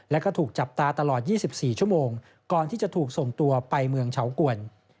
แล้วก็ถูกจับตาตลอด๒๔ชั่วโมงก่อนที่จะถูกส่งตัวไปเมืองเฉากวน